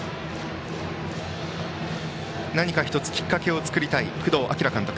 何か１つきっかけを作りたい工藤明監督。